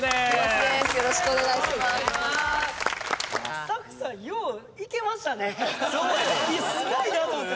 スタッフさんいやすごいなと思って。